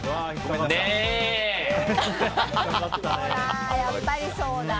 ほら、やっぱりそうだ。